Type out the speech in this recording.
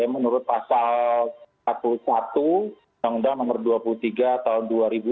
menurut pasal satu satu undang undang nomor dua puluh tiga tahun dua ribu sembilan belas